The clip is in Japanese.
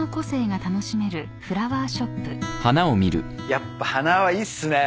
やっぱ花はいいっすね。